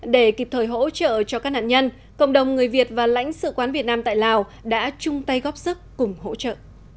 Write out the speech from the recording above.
để kịp thời hỗ trợ cho các nạn nhân cộng đồng người việt và lãnh sự quán việt nam tại lào đã chung tay góp sức cùng hỗ trợ